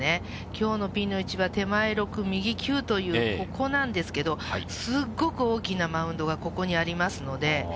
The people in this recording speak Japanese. きょうのピンの位置は手前６、右９という、ここなんですけど、すっごく大きなマウンドがここにありますので。